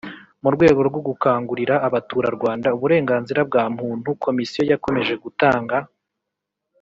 Mu rwego rwo gukangurira abaturarwanda uburenganzira bwa Muntu Komisiyo yakomeje gutanga